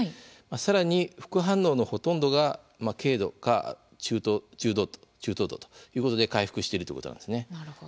さらに副反応のほとんどが軽度か中等度ということで回復しているということなんです。